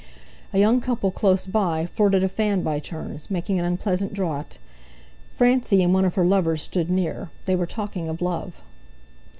A young couple close by flirted a fan by turns, making an unpleasant draught. Francie and one of her lovers stood near. They were talking of love.